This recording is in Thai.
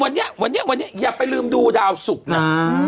ก่อนจะบอกว่าวันเนี่ยอย่าไปลืมดูดาวสุกนะ